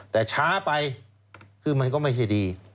แต่ช้าไปคือมันก็ไม่ใช่ดี